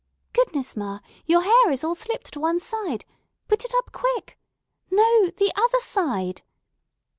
Goodness, ma, your hair is all slipped to one side. Put it up quick. No, the other side.